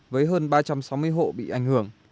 với hơn ba trăm sáu mươi hộ bị ảnh hưởng